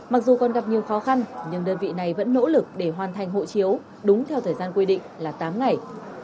mặc dù còn gặp nhiều khó khăn nhưng đơn vị này vẫn nỗ lực để hoàn thành hộ chiếu đúng theo thời gian quy định là tám ngày